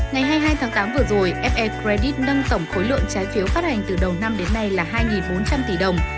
ngày hai mươi hai tháng tám vừa rồi fe credit nâng tổng khối lượng trái phiếu phát hành từ đầu năm đến nay là hai bốn trăm linh tỷ đồng